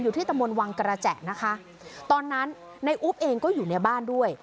ที่ตะมนต์วังกระแจนะคะตอนนั้นในอุ๊บเองก็อยู่ในบ้านด้วย